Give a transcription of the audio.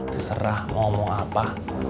terserah mau ngomong apa